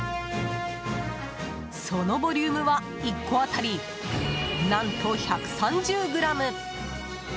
そのボリュームは１個当たり何と１３０ｇ。